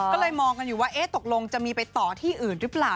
ก็เลยมองกันอยู่ว่าตกลงจะมีไปต่อที่อื่นหรือเปล่า